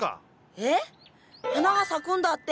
ええ⁉花が咲くんだって！